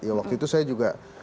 ya waktu itu saya juga